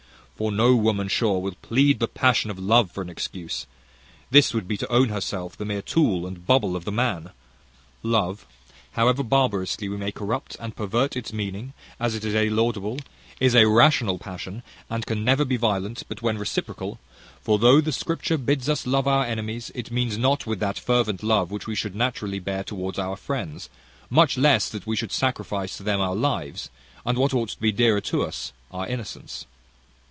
For no woman, sure, will plead the passion of love for an excuse. This would be to own herself the mere tool and bubble of the man. Love, however barbarously we may corrupt and pervert its meaning, as it is a laudable, is a rational passion, and can never be violent but when reciprocal; for though the Scripture bids us love our enemies, it means not with that fervent love which we naturally bear towards our friends; much less that we should sacrifice to them our lives, and what ought to be dearer to us, our innocence.